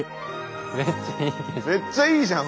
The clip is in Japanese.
めっちゃいいじゃん